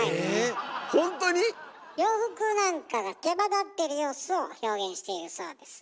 ほんとに⁉洋服なんかがけばだってる様子を表現しているそうです。